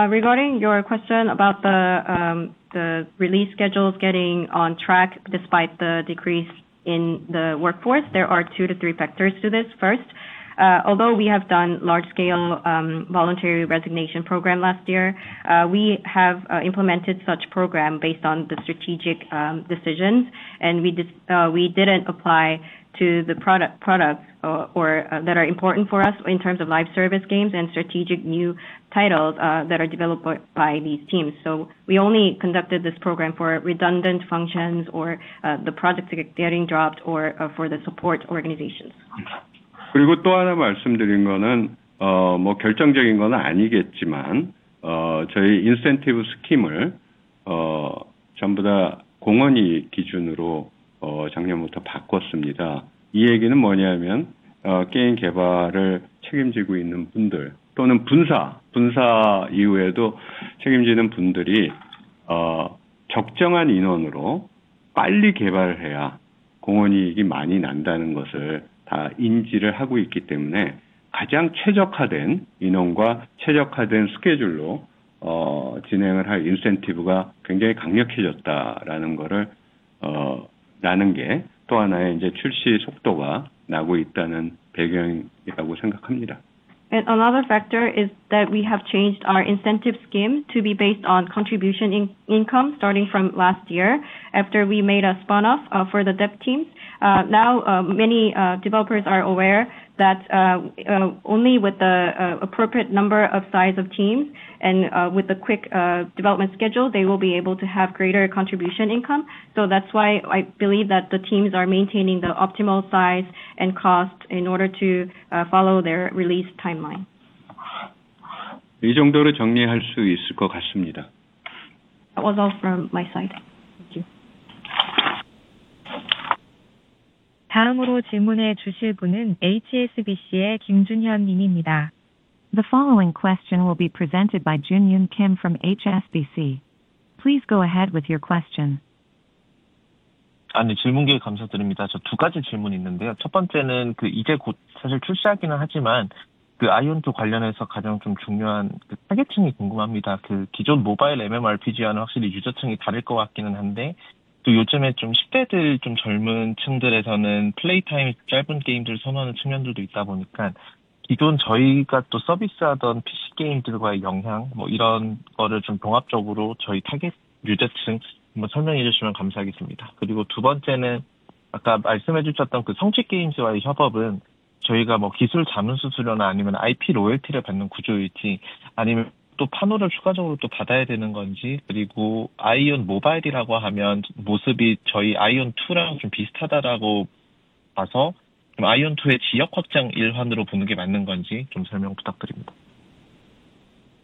Regarding your question about the release schedules getting on track despite the decrease in the workforce, there are two to three factors to this. First, although we have done large-scale voluntary resignation program last year, we have implemented such program based on the strategic decisions, and we didn't apply to the products that are important for us in terms of live service games and strategic new titles that are developed by these teams. So we only conducted this program for redundant functions or the project getting dropped or for the support organizations. 그리고 또 하나 말씀드린 것은 결정적인 것은 아니겠지만, 저희 인센티브 스킴을 전부 다 공헌이익 기준으로 작년부터 바꿨습니다. 이 얘기는 무엇이냐면, 게임 개발을 책임지고 있는 분들 또는 분사 이후에도 책임지는 분들이 적정한 인원으로 빨리 개발해야 공헌이익이 많이 난다는 것을 다 인지하고 있기 때문에 가장 최적화된 인원과 최적화된 스케줄로 진행할 인센티브가 굉장히 강력해졌다는 것이 또 하나의 출시 속도가 나고 있다는 배경이라고 생각합니다. Another factor is that we have changed our incentive scheme to be based on contribution in income starting from last year after we made a spinoff for the dev teams. Now many developers are aware that only with the appropriate number of size of teams and with the quick development schedule they will be able to have greater contribution income. That's why I believe that the teams are maintaining the optimal size and cost in order to follow their release timeline. 이 정도로 정리할 수 있을 것 같습니다. That was all from my side. Thank you. 다음으로 질문해 주실 분은 HSBC의 김준현 님입니다. The following question will be presented by Junyoon Kim from HSBC. Please go ahead with your question. 네, 질문 기회 감사드립니다. 저두 가지 질문 있는데요. 첫 번째는 그 이제 곧 사실 출시하기는 하지만 그 아이온2 관련해서 가장 중요한 그 타겟층이 궁금합니다. 그 기존 모바일 MMORPG와는 확실히 유저층이 다를 것 같기는 한데, 또 요즘에 10대들 젊은 층들에서는 플레이 타임이 짧은 게임들을 선호하는 측면들도 있다 보니까 기존 저희가 또 서비스하던 PC 게임들과의 영향 이런 거를 종합적으로 저희 타겟 유저층 한번 설명해 주시면 감사하겠습니다. 그리고 두 번째는 말씀해 주셨던 그 성취 게임즈와의 협업은 저희가 기술 자문 수수료나 아니면 IP 로열티를 받는 구조일지 아니면 또 판호를 추가적으로 또 받아야 되는 건지, 그리고 아이온 모바일이라고 하면 모습이 저희 아이온2랑 비슷하다라고 봐서 아이온2의 지역 확장 일환으로 보는 게 맞는 건지 설명 부탁드립니다.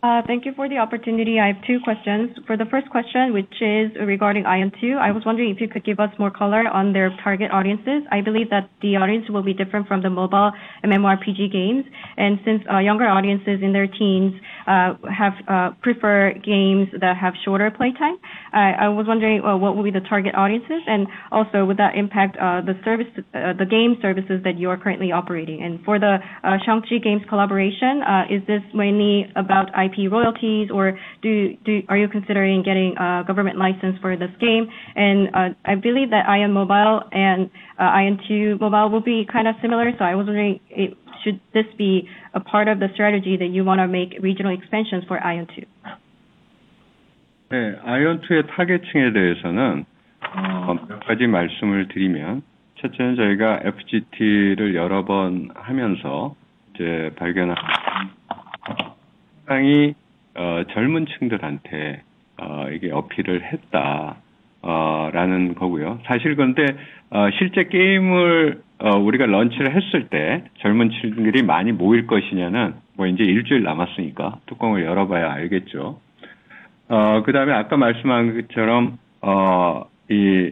Thank you for the opportunity. I have two questions. For the first question, which is regarding Ion2, I was wondering if you could give us more color on their target audiences. I believe that the audience will be different from the mobile MMORPG games, and since younger audiences in their teens prefer games that have shorter play time, I was wondering what will be the target audiences and also would that impact the game services that you are currently operating. For the Seongji Games collaboration, is this mainly about IP royalties or are you considering getting government license for this game? I believe that Ion Mobile and Ion2 Mobile will be kind of similar, so I was wondering if this should be part of the strategy that you want to make regional expansions for Ion2? 네, 아이온2의 타겟층에 대해서는 몇 가지 말씀을 드리면 첫째는 저희가 FGT를 여러 번 하면서 발견한 상당히 젊은 층들한테 이게 어필을 했다라는 거고요. 사실 근데 실제 게임을 우리가 런치를 했을 때 젊은 층들이 많이 모일 것이냐는 뭐 이제 일주일 남았으니까 뚜껑을 열어봐야 알겠죠. 그다음에 아까 말씀한 것처럼 이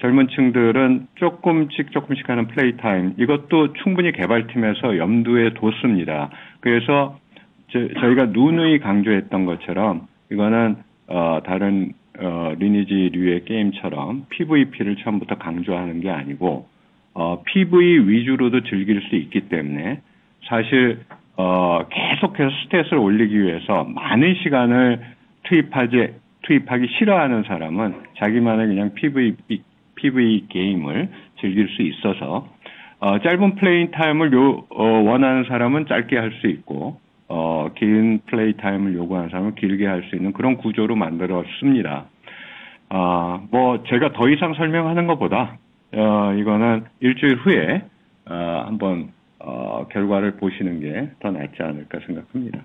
젊은 층들은 조금씩 조금씩 하는 플레이 타임 이것도 충분히 개발팀에서 염두에 뒀습니다. 그래서 저희가 누누이 강조했던 것처럼 이거는 다른 리니지 류의 게임처럼 PVP를 처음부터 강조하는 게 아니고 PVE 위주로도 즐길 수 있기 때문에 사실 계속해서 스탯을 올리기 위해서 많은 시간을 투입하기 싫어하는 사람은 자기만의 그냥 PVE 게임을 즐길 수 있어서 짧은 플레이 타임을 원하는 사람은 짧게 할수 있고 긴 플레이 타임을 요구하는 사람은 길게 할수 있는 그런 구조로 만들었습니다. 뭐 제가 더 이상 설명하는 것보다 이거는 일주일 후에 한번 결과를 보시는 게더 낫지 않을까 생각합니다.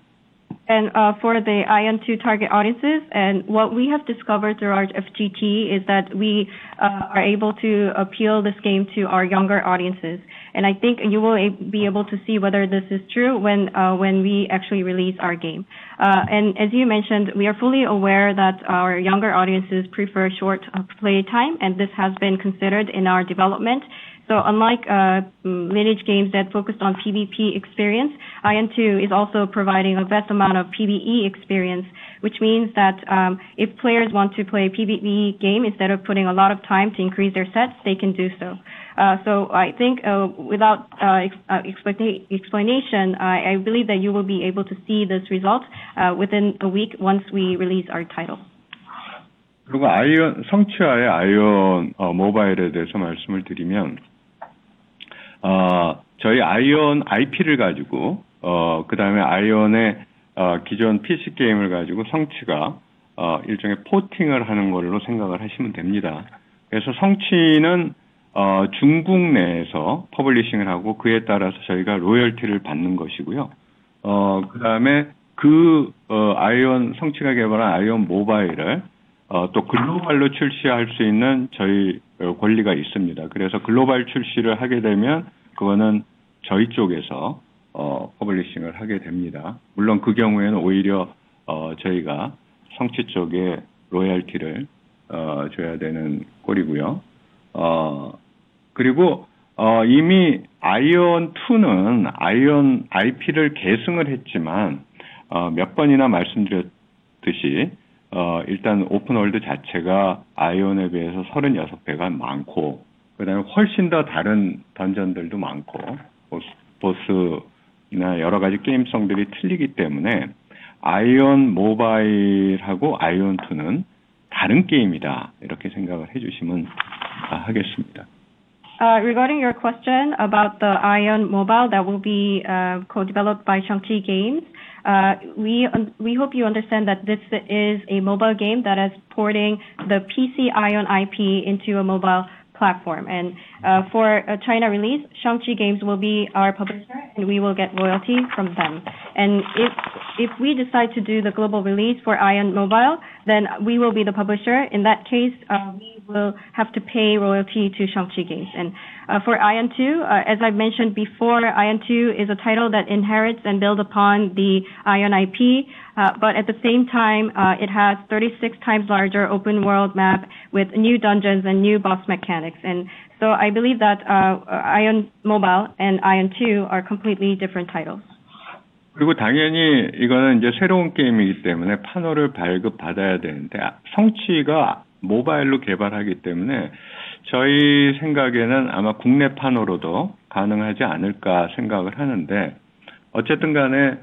For the Ion2 target audiences and what we have discovered throughout FGT is that we are able to appeal this game to our younger audiences, and I think you will be able to see whether this is true when we actually release our game. As you mentioned, we are fully aware that our younger audiences prefer short play time, and this has been considered in our development. So unlike Lineage games that focused on PVP experience, Ion2 is also providing a vast amount of PVE experience, which means that if players want to play PVE game instead of putting a lot of time to increase their sets, they can do so. I think without explanation, I believe that you will be able to see this result within a week once we release our title. 그리고 아이온 성취와의 아이온 모바일에 대해서 말씀을 드리면, 저희 아이온 IP를 가지고 그다음에 아이온의 기존 PC 게임을 가지고 성취가 일종의 포팅을 하는 걸로 생각을 하시면 됩니다. 그래서 성취는 중국 내에서 퍼블리싱을 하고 그에 따라서 저희가 로열티를 받는 것이고요. 그다음에 그 아이온 성취가 개발한 아이온 모바일을 또 글로벌로 출시할 수 있는 저희 권리가 있습니다. 그래서 글로벌 출시를 하게 되면 그거는 저희 쪽에서 퍼블리싱을 하게 됩니다. 물론 그 경우에는 오히려 저희가 성취 쪽에 로열티를 줘야 되는 꼴이고요. 그리고 이미 아이온2는 아이온 IP를 계승을 했지만 몇 번이나 말씀드렸듯이 일단 오픈월드 자체가 아이온에 비해서 36배가 많고 그다음에 훨씬 더 다른 던전들도 많고 보스나 여러 가지 게임성들이 틀리기 때문에 아이온 모바일하고 아이온2는 다른 게임이다 이렇게 생각을 해 주시면 되겠습니다. Regarding your question about the Ion Mobile that will be co-developed by Seongji Games, we hope you understand that this is a mobile game that is porting the PC Ion IP into a mobile platform and for a China release, Seongji Games will be our publisher and we will get royalty from them. If we decide to do the global release for Ion Mobile, then we will be the publisher. In that case, we will have to pay royalty to Seongji Games. For Ion2, as I've mentioned before, Ion2 is a title that inherits and builds upon the Ion IP, but at the same time, it has 36 times larger open world map with new dungeons and new boss mechanics. I believe that Ion Mobile and Ion2 are completely different titles. 그리고 당연히 이거는 이제 새로운 게임이기 때문에 판호를 발급받아야 되는데, 성취가 모바일로 개발하기 때문에 저희 생각에는 아마 국내 판호로도 가능하지 않을까 생각을 하는데, 어쨌든 간에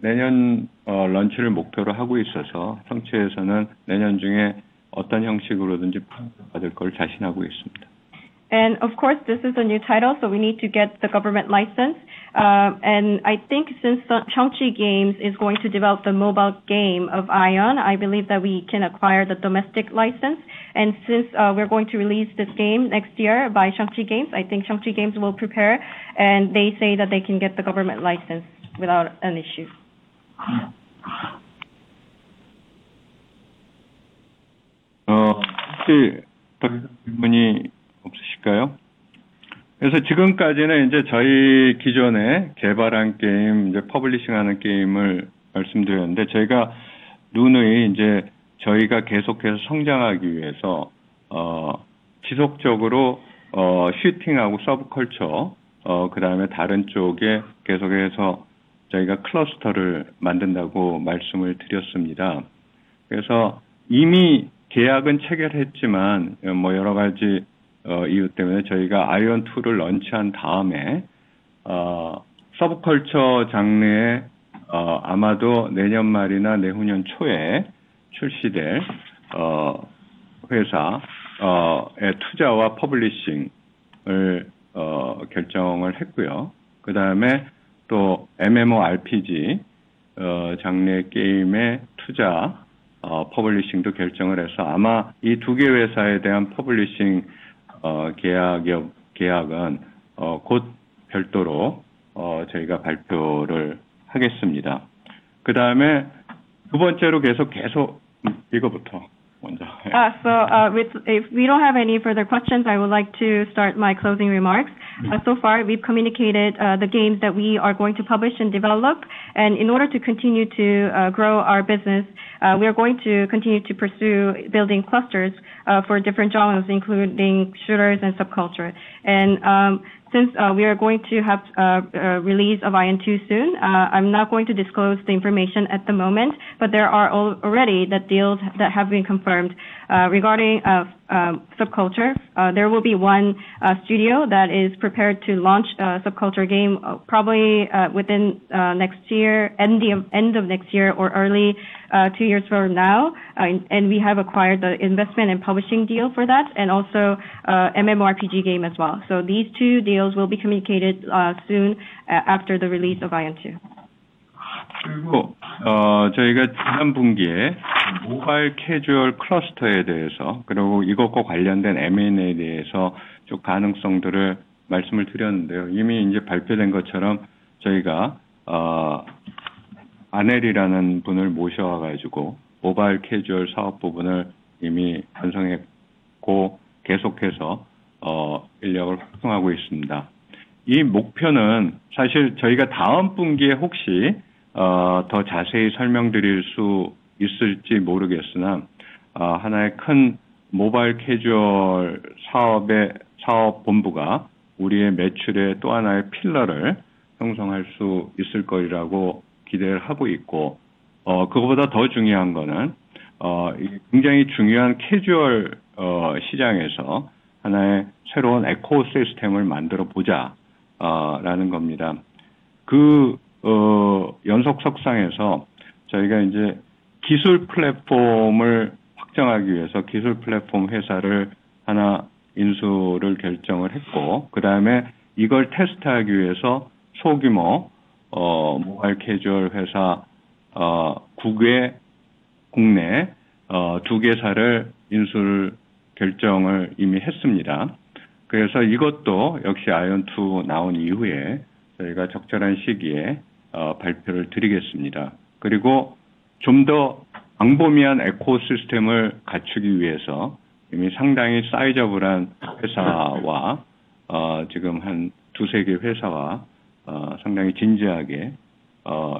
내년 런치를 목표로 하고 있어서 성취에서는 내년 중에 어떤 형식으로든지 판호를 받을 걸 자신하고 있습니다. Of course, this is a new title, so we need to get the government license. I think since Seongji Games is going to develop the mobile game of Ion, I believe that we can acquire the domestic license. Since we're going to release this game next year by Seongji Games, I think Seongji Games will prepare and they say that they can get the government license without an issue. 혹시 다른 질문이 없으실까요? 지금까지는 저희 기존에 개발한 게임 퍼블리싱하는 게임을 말씀드렸는데, 저희가 누누이 저희가 계속해서 성장하기 위해서 지속적으로 슈팅하고 서브 컬처, 그다음에 다른 쪽에 계속해서 저희가 클러스터를 만든다고 말씀을 드렸습니다. 이미 계약은 체결했지만 여러 가지 이유 때문에 저희가 아이온2를 런치한 다음에 서브 컬처 장르에 아마도 내년 말이나 내후년 초에 출시될 회사의 투자와 퍼블리싱을 결정을 했고요. 그다음에 또 MMORPG 장르의 게임에 투자 퍼블리싱도 결정을 해서 아마 이두개 회사에 대한 퍼블리싱 계약이 계약은 곧 별도로 저희가 발표를 하겠습니다. 그다음에 두 번째로 계속 계속 이거부터 먼저. If we don't have any further questions, I would like to start my closing remarks. So far we've communicated the games that we are going to publish and develop, and in order to continue to grow our business, we are going to continue to pursue building clusters for different genres, including shooters and subculture. Since we are going to have release of Ion2 soon, I'm not going to disclose the information at the moment, but there are already deals that have been confirmed. Regarding subculture, there will be one studio that is prepared to launch a subculture game probably within next year and the end of next year or early two years from now. We have acquired the investment and publishing deal for that and also MMORPG game as well. These two deals will be communicated soon after the release of Ion2. 그리고 저희가 지난 분기에 모바일 캐주얼 클러스터에 대해서 그리고 이것과 관련된 M&A에 대해서 가능성들을 말씀드렸는데요. 이미 발표된 것처럼 저희가 아넬이라는 분을 모셔와서 모바일 캐주얼 사업 부분을 이미 완성했고 계속해서 인력을 확충하고 있습니다. 이 목표는 사실 저희가 다음 분기에 더 자세히 설명드릴 수 있을지 모르겠으나, 하나의 큰 모바일 캐주얼 사업의 사업 본부가 우리의 매출의 또 하나의 필러를 형성할 수 있을 것이라고 기대하고 있고, 그것보다 더 중요한 것은 이 굉장히 중요한 캐주얼 시장에서 하나의 새로운 에코시스템을 만들어보자는 것입니다. 그 연속선상에서 저희가 기술 플랫폼을 확장하기 위해서 기술 플랫폼 회사를 하나 인수를 결정했고, 그다음에 이것을 테스트하기 위해서 소규모 모바일 캐주얼 회사 국외 국내 두 개사를 인수를 이미 결정했습니다. 그래서 이것도 역시 아이온2 나온 이후에 저희가 적절한 시기에 발표드리겠습니다. 그리고 좀더 광범위한 에코시스템을 갖추기 위해서 이미 상당히 사이저블한 회사와 지금 한두세 개 회사와 상당히 진지하게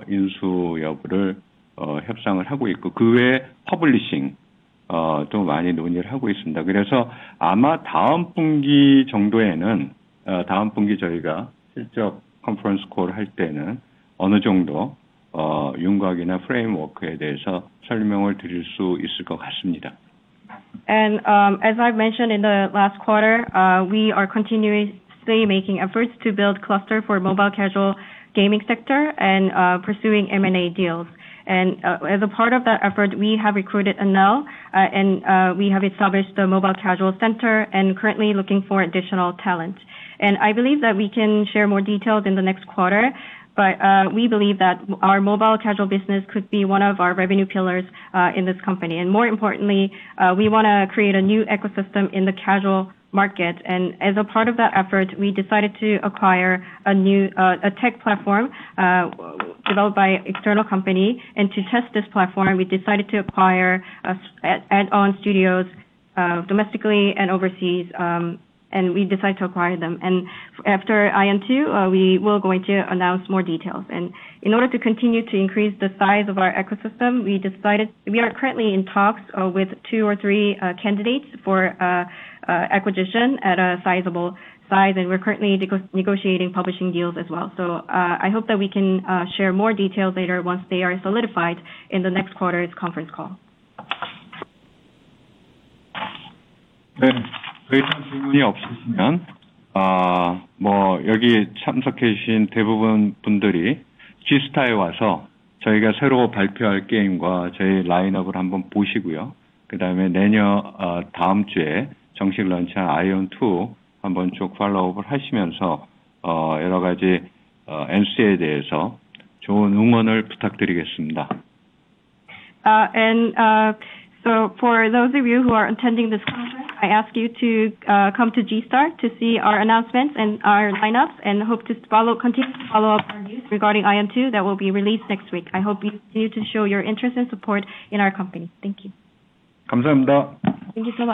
인수 여부를 협상하고 있고, 그 외에 퍼블리싱도 많이 논의하고 있습니다. 그래서 아마 다음 분기 정도에는 다음 분기 저희가 실적 컨퍼런스 콜할 때는 어느 정도 윤곽이나 프레임워크에 대해서 설명드릴 수 있을 것 같습니다. As I've mentioned in the last quarter, we are continuously making efforts to build cluster for mobile casual gaming sector and pursuing M&A deals. As a part of that effort, we have recruited Anel and we have established the mobile casual center and currently looking for additional talent. I believe that we can share more details in the next quarter, but we believe that our mobile casual business could be one of our revenue pillars in this company. More importantly, we want to create a new ecosystem in the casual market. As a part of that effort, we decided to acquire a new tech platform developed by external company. To test this platform, we decided to acquire add-on studios domestically and overseas, and we decided to acquire them. After Ion2, we will going to announce more details. In order to continue to increase the size of our ecosystem, we decided we are currently in talks with two or three candidates for acquisition at a sizable size, and we're currently negotiating publishing deals as well. I hope that we can share more details later once they are solidified in the next quarter's conference call. 네, 더 이상 질문이 없으시면 여기 참석해 주신 대부분 분들이 지스타에 와서 저희가 새로 발표할 게임과 저희 라인업을 한번 보시고요. 그다음에 내년 다음 주에 정식 런치한 아이온2 한번 쭉 팔로우업을 하시면서 여러 가지 NC에 대해서 좋은 응원을 부탁드리겠습니다. For those of you who are attending this conference, I ask you to come to G Start to see our announcements and our lineups and hope to continue to follow up our news regarding Ion2 that will be released next week. I hope you continue to show your interest and support in our company. Thank you. 감사합니다. Thank you so much.